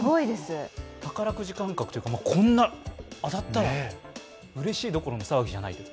宝くじ感覚でこれ当たったらうれしいどころの騒ぎじゃないです。